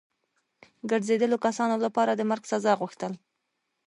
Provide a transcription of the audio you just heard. ګرځېدلو کسانو لپاره د مرګ د سزا غوښتل.